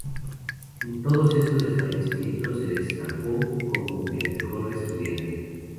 En todos estos establecimientos se destacó como el mejor estudiante.